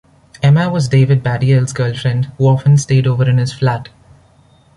Emma was David Baddiel's girlfriend who often stayed over in his flat.